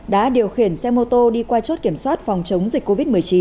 đã điều khiển xe mô tô đi qua chốt kiểm soát phòng chống dịch covid một mươi chín